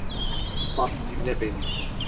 Bak dinle beni...